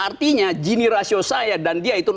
artinya gini rasio saya dan dia itu